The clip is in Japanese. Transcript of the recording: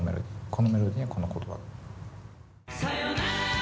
このメロディーにはこの言葉。